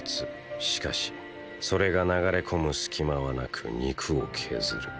しかしそれが流れ込むスキマはなく肉を削る。